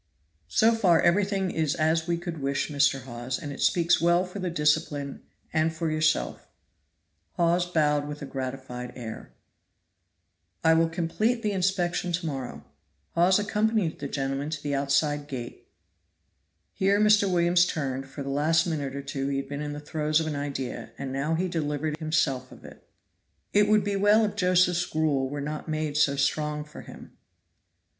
"So far everything is as we could wish, Mr. Hawes, and it speaks well for the discipline and for yourself." Hawes bowed with a gratified air. "I will complete the inspection to morrow." Hawes accompanied the gentlemen to the outside gate. Here Mr. Williams turned. For the last minute or two he had been in the throes of an idea, and now he delivered himself of it. "It would be well if Josephs' gruel were not made so strong for him."